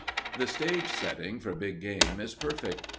The stage setting for big game is perfect.